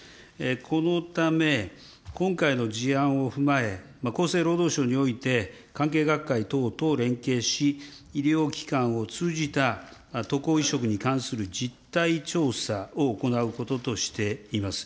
このため、今回の事案を踏まえ、厚生労働省において、関係学会等と連携し、医療機関を通じた渡航移植に関する実態調査を行うこととしています。